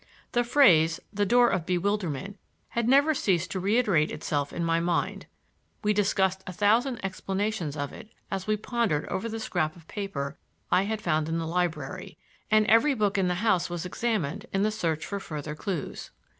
The phrase, "The Door of Bewilderment," had never ceased to reiterate itself in my mind. We discussed a thousand explanations of it as we pondered over the scrap of paper I had found in the library, and every book in the house was examined in the search for further clues.